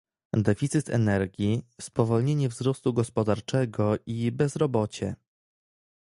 deficyt energii, spowolnienie wzrostu gospodarczego i bezrobocie